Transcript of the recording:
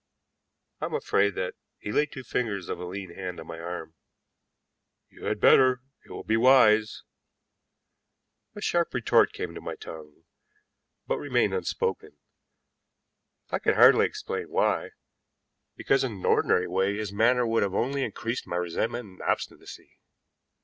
"I am afraid that " He laid two fingers of a lean hand on my arm. "You had better. It will be wise." A sharp retort came to my tongue, but remained unspoken. I can hardly explain why, because in an ordinary way his manner would only have increased my resentment and obstinacy.